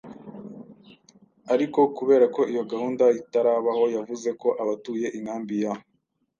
ariko kubera ko iyo gahunda itarabaho yavuze ko abatuye inkambi ya